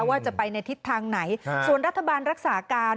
ว่าจะไปในทิศทางไหนส่วนรัฐบาลรักษาการ